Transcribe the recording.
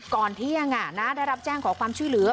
ก่อนเที่ยงได้รับแจ้งขอความช่วยเหลือ